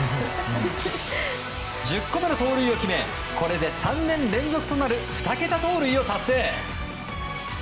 １０個目の盗塁を決めこれで３年連続となる２桁盗塁を達成。